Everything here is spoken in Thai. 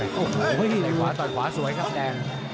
ต่อต่อขวาสวยครับแดง